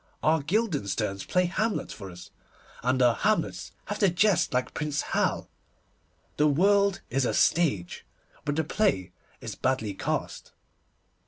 Our Guildensterns play Hamlet for us, and our Hamlets have to jest like Prince Hal. The world is a stage, but the play is badly cast.